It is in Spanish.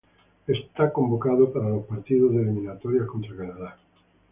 Es convocado para los partidos de eliminatorias contra Canadá.